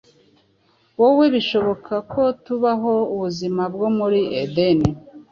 wose, bishoboka ko tubaho ubuzima bwo muri Edeni.